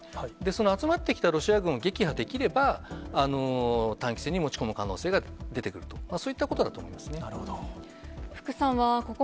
その集まってきたロシア軍を撃破できれば、短期戦に持ち込む可能性が出てくると、そういったことだと思いますね。